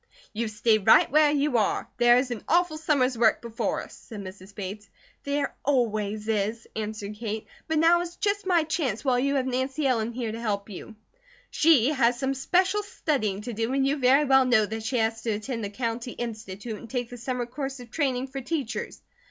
"You stay right where you are. There is an awful summer's work before us," said Mrs. Bates. "There always is," answered Kate. "But now is just my chance while you have Nancy Ellen here to help you." "She has some special studying to do, and you very well know that she has to attend the County Institute, and take the summer course of training for teachers."